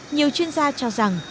nhiều chuyên gia cho rằng